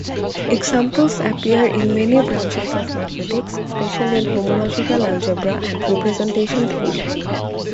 Examples appear in many branches of mathematics, especially in homological algebra and representation theory.